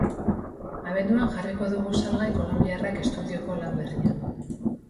Abenduan jarriko du salgai kolonbiarrak estudioko lan berria.